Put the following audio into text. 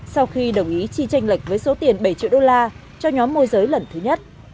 sau khi đồng ý chi tranh lệch với số tiền bảy triệu đô la cho nhóm môi giới lần thứ nhất